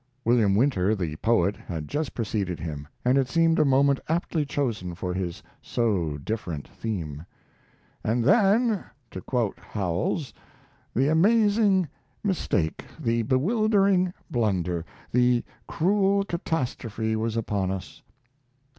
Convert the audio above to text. William Winter, the poet, had just preceded him, and it seemed a moment aptly chosen for his so different theme. "And then," to quote Howells, "the amazing mistake, the bewildering blunder, the cruel catastrophe was upon us."